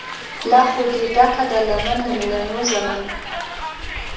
لا خو دي ډکه ده لمن له مېړنو زامنو